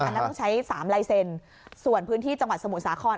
อันนั้นต้องใช้สามลายเซ็นต์ส่วนพื้นที่จังหวัดสมุทรสาคร